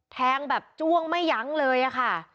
แทงแบบจ้วงไม่ยั้งเลยอะค่ะ